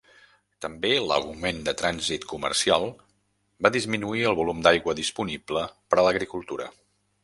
També, l'augment del trànsit comercial va disminuir el volum d'aigua disponible per a l'agricultura.